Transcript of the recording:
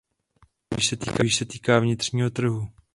Druhý se týká vnitřního trhu.